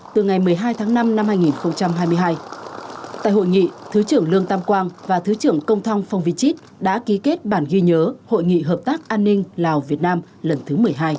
từ ngày một mươi hai tháng năm năm hai nghìn hai mươi hai tại hội nghị thứ trưởng lương tam quang và thứ trưởng công thong phong vy chít đã ký kết bản ghi nhớ hội nghị hợp tác an ninh lào việt nam lần thứ một mươi hai